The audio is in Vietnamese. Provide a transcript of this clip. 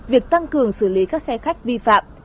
việc tăng cường xử lý các xe khách vi phạm